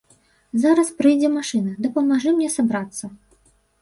Зараз прыйдзе машына, дапамажы мне сабрацца.